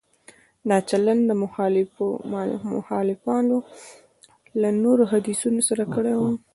دا چلند مخالفانو له نورو حدیثونو سره کړی وای.